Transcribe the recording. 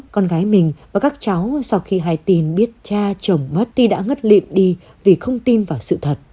con gái mình và các cháu sau khi hai tin biết cha chồng mất thì đã ngất liệm đi vì không tin vào sự thật